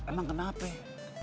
emang kenapa ya